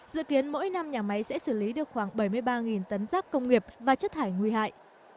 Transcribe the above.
dự kiến mỗi năm nhà máy sẽ xử lý được khoảng bảy mươi ba tấn rác công nghiệp và chất thải nguy hại